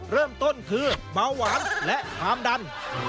เริ่มต้นคือเบาหวานและความดัน